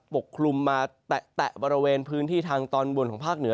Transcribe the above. ปกคลุมมาแตะบริเวณพื้นที่ทางตอนบนของภาคเหนือ